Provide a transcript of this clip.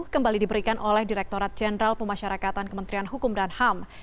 kembali diberikan oleh direkturat jenderal pemasyarakatan kementerian hukum dan ham